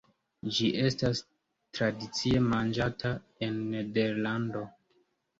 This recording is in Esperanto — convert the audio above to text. Ĝi estas tradicie manĝata en Nederlando.